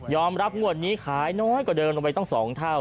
รับงวดนี้ขายน้อยกว่าเดินลงไปตั้ง๒เท่า